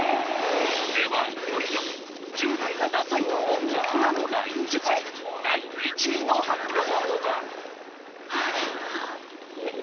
ではいよいよ１０代がダサいと思う大人のＬＩＮＥ術第１位の発表。